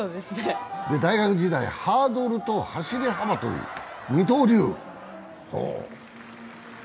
大学時代、ハードルと走り幅跳び二刀流。